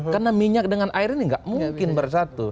karena minyak dengan air ini gak mungkin bersatu